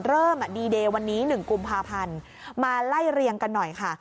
เริ่มดีเดย์วันนี้๑กุมภาพันธ์มาไล่เรียงกันหน่อยค่ะ